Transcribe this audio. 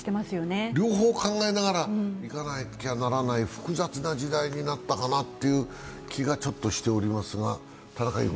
両方考えながらいかなきゃならない複雑な時代になったかなという気がしていますが。